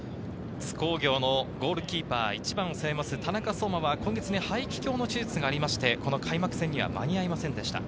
津工業のゴールキーパー１番を背負う田中蒼真は今月、肺気胸の手術がありまして、開幕戦には間に合いませんでした。